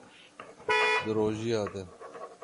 Di rojiya de